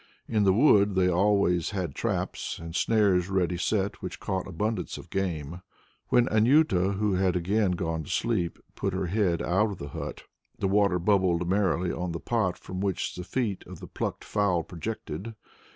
In the wood they always had traps and snares ready set which caught abundance of game. When Anjuta, who had again gone to sleep, put her head out of the hut, the water bubbled merrily in the pot from which the feet of a plucked fowl projected.